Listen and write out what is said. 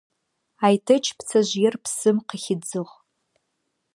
Айтэч пцэжъыер псым къыхидзыгъ.